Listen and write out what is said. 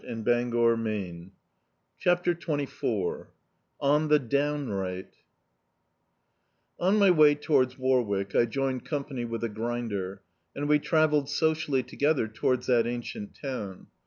db, Google CHAPTER XXIV ON THE DOWNRIGHT ON my way towards Warwick I joined com pany with a grinder, and we travelled so cially together towards that ancient town.